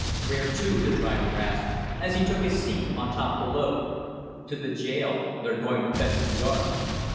"Where to?" the driver asked, as he took his seat on top the load. "To the jail, they're going to fence the yard."